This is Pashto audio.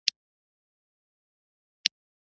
دغه تعویض ته دفاعي او امنیتي تړون وایي.